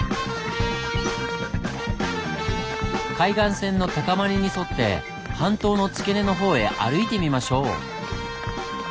海岸線の高まりに沿って半島の付け根の方へ歩いてみましょう。